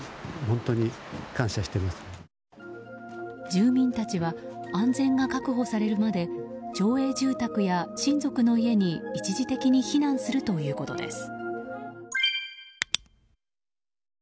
住民たちは安全が確保されるまで町営住宅や親族の家に一時的に避難するということです。